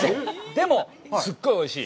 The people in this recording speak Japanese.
でも、すっごいおいしい。